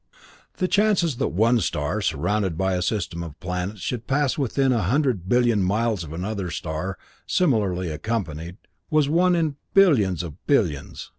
The chances that one star, surrounded by a system of planets, should pass within a hundred billion miles of another star, similarly accompanied, was one in billions of billions.